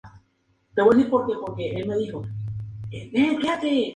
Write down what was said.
El estilo de Tal es fiel a sus antecedentes europeos.